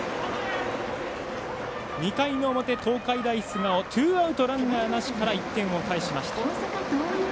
２回の表、東海大菅生ツーアウト、ランナーなしから１点を返しました。